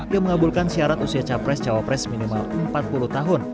yang mengabulkan syarat usia capres cawapres minimal empat puluh tahun